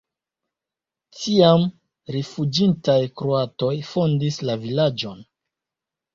Tiam rifuĝintaj kroatoj fondis la vilaĝon.